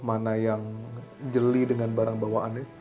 mana yang jeli dengan barang bawaannya